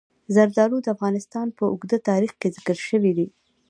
زردالو د افغانستان په اوږده تاریخ کې ذکر شوي دي.